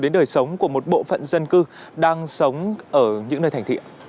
đến đời sống của một bộ phận dân cư đang sống ở những nơi thành thị